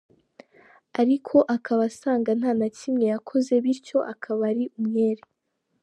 ariko akaba asanga nta na kimwe yakoze, bityo akaba ari umwere.